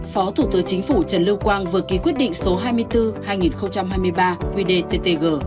phó thủ tướng chính phủ trần lưu quang vừa ký quyết định số hai mươi bốn hai nghìn hai mươi ba qdttg